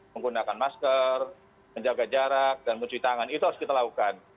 menggunakan masker menjaga jarak dan mencuci tangan itu harus kita lakukan